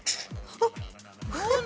あっ。